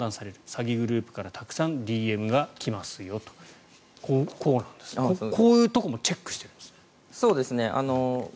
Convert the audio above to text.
詐欺グループからたくさんＤＭが来ますよとこういうところもチェックしてるんですね。